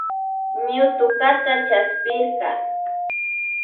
Ñutukata chaspirka